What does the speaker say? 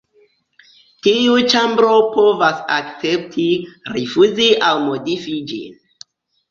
Tiu ĉambro povas akcepti, rifuzi aŭ modifi ĝin.